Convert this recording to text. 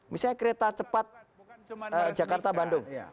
misalnya kereta cepat jakarta bandung